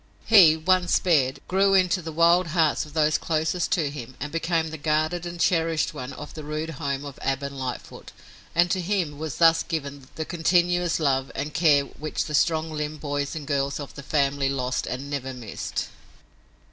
He, once spared, grew into the wild hearts of those closest to him and became the guarded and cherished one of the rude home of Ab and Lightfoot, and to him was thus given the continuous love and care which the strong limbed boys and girls of the family lost and never missed.